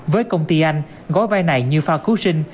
với công ty anh gói vai này như pha cứu sinh